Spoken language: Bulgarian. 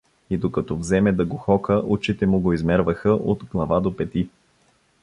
И докато вземе да го хока, очите муго измерваха от глава до пети.